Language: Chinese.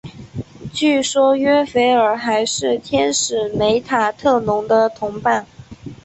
据说约斐尔还是天使梅塔特隆的同伴。